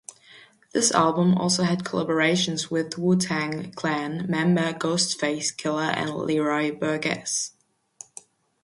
This album also had collaborations with Wu-Tang Clan member Ghostface Killah and Leroy Burgess.